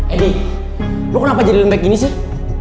edi lo kenapa jadi lembek gini sih